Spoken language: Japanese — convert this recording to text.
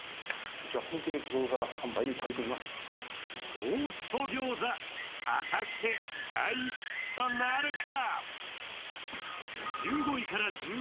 東スポ餃子、果たして大ヒットなるか？